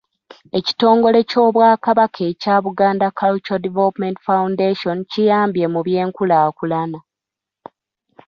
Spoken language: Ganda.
Ekitongole ky’Obwakabaka ekya Buganda Cultural Development Foundation kiyambye mu by'enkulaakulana.